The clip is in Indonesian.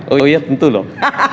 oh iya tentu loh